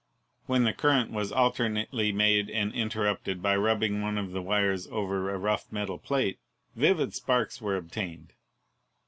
When the current was alternately made and interrupted 204 ELECTRICITY by rubbing one of the wires over a rough metal plate, vivid sparks were obtained.